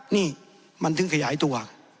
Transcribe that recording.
นี่มันถึงขยายตัว